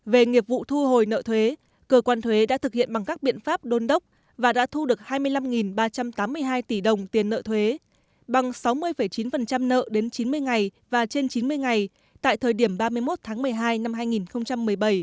về nghiệp vụ thu hồi nợ thuế cơ quan thuế đã thực hiện bằng các biện pháp đôn đốc và đã thu được hai mươi năm ba trăm tám mươi hai tỷ đồng tiền nợ thuế bằng sáu mươi chín nợ đến chín mươi ngày và trên chín mươi ngày tại thời điểm ba mươi một tháng một mươi hai năm hai nghìn một mươi bảy